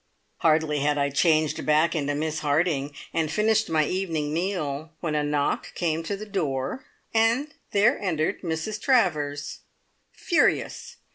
Hardly had I changed back into Miss Harding, and finished my evening meal, when a knock came to the door, and there entered Mrs Travers. Furious!